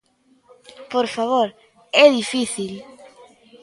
Por favor, ¡é difícil!